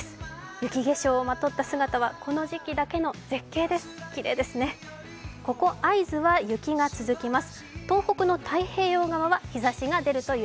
雪化粧をまとった姿はこの時期だけの絶景です。